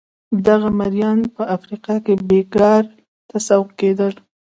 دغه مریان په افریقا کې بېګار ته سوق کېدل.